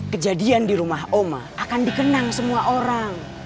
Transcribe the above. kejadian di rumah oma akan dikenang semua orang